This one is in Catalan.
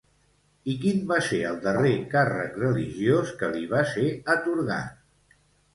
I quin va ser el darrer càrrec religiós que li va ser atorgat?